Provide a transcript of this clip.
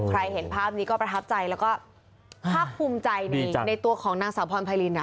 เห็นภาพนี้ก็ประทับใจแล้วก็ภาคภูมิใจในตัวของนางสาวพรไพริน